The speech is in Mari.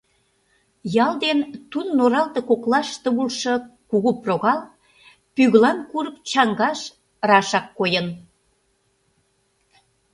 Ял ден тудын оралте коклаште улшо кугу прогал Пӱглан курык чаҥгаш рашак койын.